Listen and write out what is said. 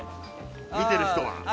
見てる人は。